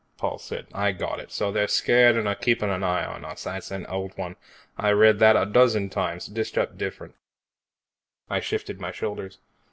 Paul said, "I got it. So they're scared and are keeping an eye on us. That's an old one. I've read that a dozen times, dished up different." I shifted my shoulders.